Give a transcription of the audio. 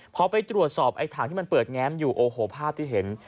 พอไปตรวจสอบไอ้ถังที่มันเปิดแง้มอยู่โอ้โหภาพที่เห็น